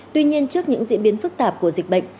tuy nhiên trước những diễn biến phức tạp của dịch bệnh